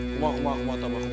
kumat kumat kumat